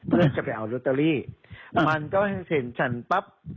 เพื่อจะไปเอาลอตเตอรี่มันก็เห็นฉันปั๊บ